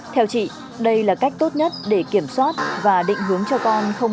theo chị đây là cách tốt nhất để kiểm soát và định hướng cho con không